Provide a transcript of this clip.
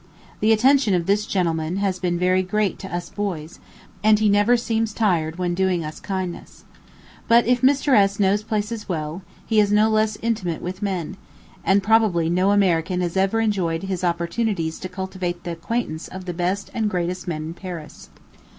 The attention of this gentleman has been very great to us boys, and he seems never tired when doing us kindness. But if Mr. S. knows places well, he is no less intimate with men; and probably no American has ever enjoyed his opportunities to cultivate the acquaintance of the best and greatest men in Paris.